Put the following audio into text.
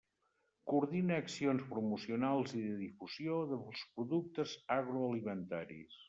Coordina accions promocionals i de difusió dels productes agroalimentaris.